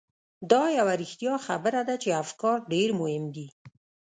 دا یوه رښتیا خبره ده چې افکار ډېر مهم دي.